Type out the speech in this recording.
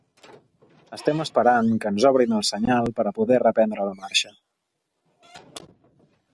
Estem esperant que ens obrin el senyal per a poder reprendre la marxa.